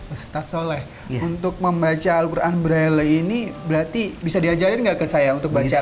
ustadz soleh untuk membaca al quran braille ini berarti bisa diajarin nggak ke saya untuk baca